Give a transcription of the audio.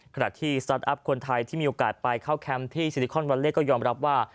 ขณะที่สตาร์ทอัพคนไทยที่มีโอกาสไปเข้าแคมป์ที่ซิลิคอนวัลเล่ก็ยอมรับว่า